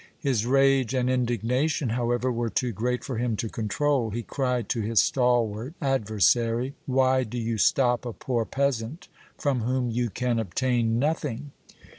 His rage and indignation, however, were too great for him to control. He cried to his stalwart adversary: "Why do you stop a poor peasant from whom you can obtain nothing?"